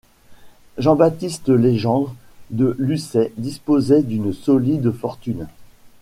Jean-Baptiste Legendre de Luçay disposait d'une solide fortune.